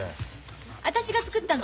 私が作ったの。